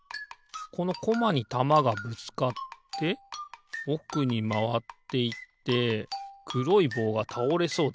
このコマにたまがぶつかっておくにまわっていってくろいぼうがたおれそうだな。